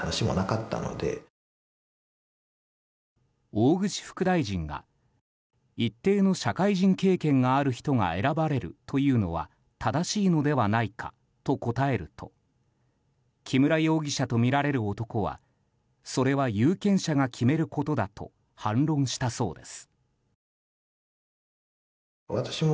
大串副大臣が一定の社会人経験がある人が選ばれるというのは正しいのではないかと答えると木村容疑者とみられる男はそれは有権者が決めることだと反論したそうです。